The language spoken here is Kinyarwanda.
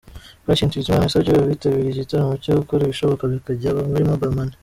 Patient Bizimana yasabye abitabiriye igitaramo cye gukora ibishoboka bakajya muri Mobile Money.